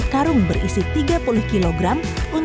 sekarang sudah dimodifikasi agar petani bisa membangun